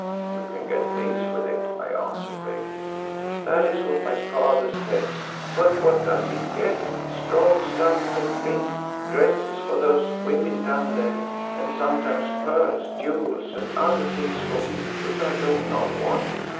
"You can get things with it," I answered vaguely. "That is what my father says, but what does he get? Strong stuff to drink; dresses for those women down there, and sometimes pearls, jewels and other things for me which I do not want.